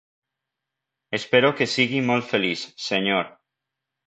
Espero que sigui molt feliç, senyor.